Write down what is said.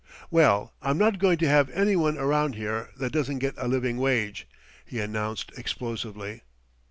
"Well, I'm not going to have anyone around that doesn't get a living wage," he announced explosively.